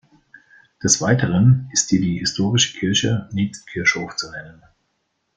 Des Weiteren ist hier die historische Kirche nebst Kirchhof zu nennen.